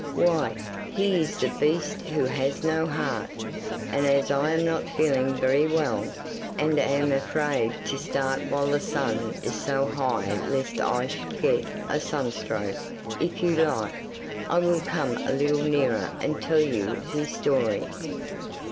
'Why, he is the beast who has no heart. And as I am not feeling very well, and am afraid to start while the sun is so high lest I should get a sunstroke, if you like, I will come a little nearer and tell you his story.